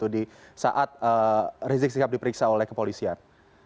di saat rizik sihab diperiksa oleh kepolisian